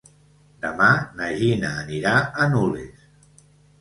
Demà na Gina anirà a Nules.